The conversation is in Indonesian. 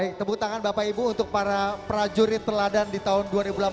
baik tepuk tangan bapak ibu untuk para prajurit teladan di tahun dua ribu delapan belas